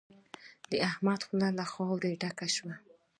د احمد خوله له خاورو ډکه شوه.